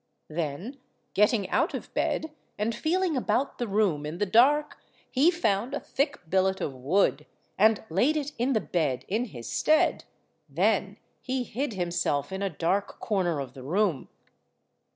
Then, getting out of bed, and feeling about the room in the dark, he found a thick billet of wood, and laid it in the bed in his stead, then he hid himself in a dark corner of the room.